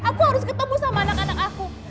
aku harus ketemu sama anak anak aku